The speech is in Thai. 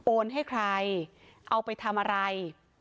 ให้ใครเอาไปทำอะไร